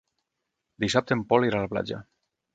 Dissabte en Pol irà a la platja.